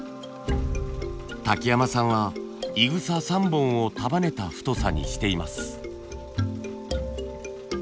瀧山さんはいぐさ３本を束ねた太さにしています。